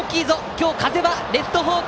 風はレフト方向！